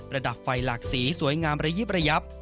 ระดับไฟหลากสีสวยงามระยิบระยับ